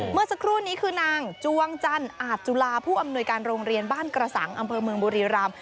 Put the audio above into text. เมื่อสักครู่นี้คือนางจวงจันทร์อาจจุลาผู้อำนวยการโรงเรียนบ้านกระสังอำเภอเมืองบุรีรำ